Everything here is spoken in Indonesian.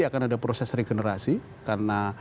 akan ada proses regenerasi karena